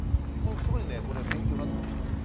すごいねこれは勉強になったと思いますよ。